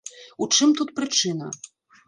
У чым тут прычына?